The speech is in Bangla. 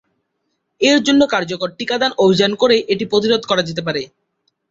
এর জন্য কার্যকর টিকাদান অভিযান করে এটি প্রতিরোধ করা যেতে পারে।